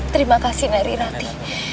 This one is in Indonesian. terima kasih narirati